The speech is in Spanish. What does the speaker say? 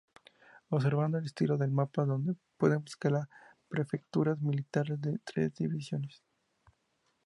Observando el estilo del mapa, puede buscar las prefecturas militares de tres divisiones.